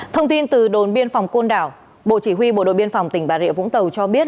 thông tin từ đồn biên phòng côn đảo bộ chỉ huy bộ đội biên phòng tỉnh bà rịa vũng tàu cho biết